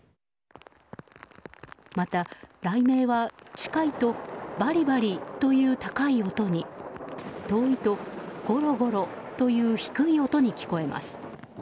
また、雷鳴は近いとバリバリという高い音に遠いとゴロゴロという低い音に聞こえます。